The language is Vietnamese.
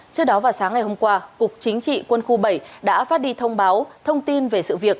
trước đó vào sáng ngày hôm qua cục chính trị quân khu bảy đã phát đi thông báo thông tin về sự việc